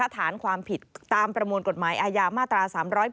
ฐานความผิดตามประมวลกฎหมายอาญามาตรา๓๘